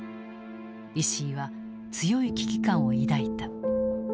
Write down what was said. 石井は強い危機感を抱いた。